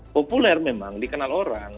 populer memang dikenal orang